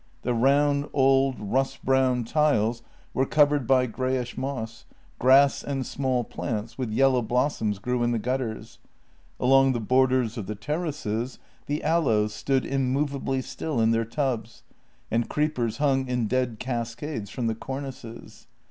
The round, old, rust brown tiles were covered by greyish moss, grass and small plants with yellow blossoms grew in the gutters; along the border of the terraces the aloes stood immovably still in their tubs, and creepers hung in dead cascades from the cornices.